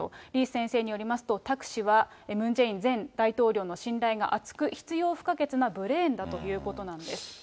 李先生によりますと、タク氏はムン・ジェイン前大統領の信頼が厚く、必要不可欠なブレーンだということなんです。